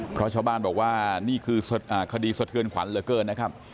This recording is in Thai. เพราะชาวบ้านบอกว่านี่คือคดีสะเทือนขวัญเหลือเกินนะครับ